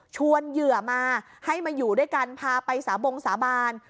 เหยื่อมาให้มาอยู่ด้วยกันพาไปสาบงสาบาน